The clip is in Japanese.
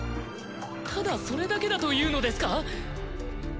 ただそれだけだというのですか？